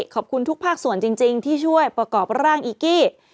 ขอบคุณทุกภาคส่วนจริงที่ช่วยประกอบร่างอีกกี้